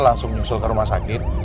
langsung nyusul ke rumah sakit